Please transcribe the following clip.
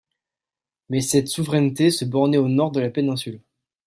Mais cette souveraineté se bornait au nord de la péninsule.